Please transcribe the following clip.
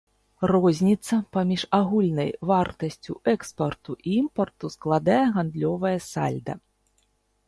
Розніца паміж агульнай вартасцю экспарту і імпарту складае гандлёвае сальда.